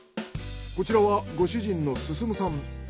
こちらはご主人の進さん。